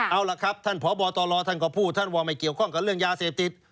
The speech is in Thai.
เอาล่ะครับท่านพบตรท่านก็พูดท่านว่าไม่เกี่ยวข้องกับเรื่องยาเสพติด